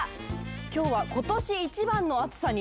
今日は今年一番の暑さに！